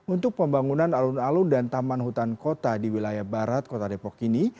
untuk pembangunan alun alun dan taman hutan kota di wilayah barat kota depok ini